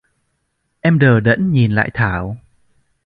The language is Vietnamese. Em đờ đẫn nhìn lại Thảo